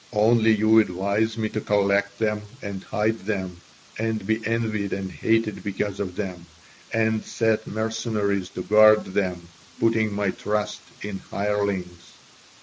Only you advise me to collect them and hide them, and be envied and hated because of them, and set mercenaries to guard them, putting my trust in hirelings.